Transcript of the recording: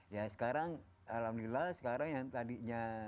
ya sekarang alhamdulillah sekarang yang tadinya